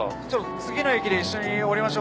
次の駅で一緒に降りましょう。